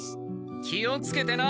気をつけてな！